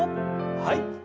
はい。